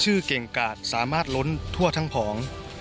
เก่งกาดสามารถล้นทั่วทั้งผอง